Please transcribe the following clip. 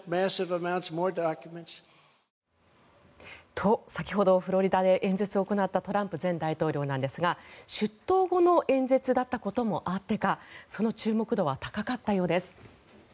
と、先ほどフロリダで演説を行ったトランプ前大統領なんですが出頭後の演説だったこともあってかその注目度は高かったようです。